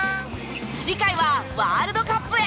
次回はワールドカップへ！